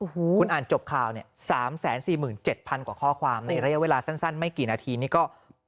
คุณอ่านจบข่าวเนี่ย๓๔๗๐๐กว่าข้อความในระยะเวลาสั้นไม่กี่นาทีนี่ก็